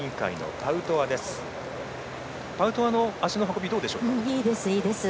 パウトワの足の運びどうでしょうか？